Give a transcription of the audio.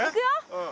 うん。